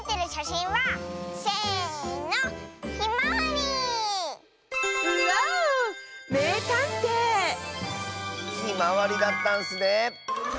ひまわりだったんスねえ。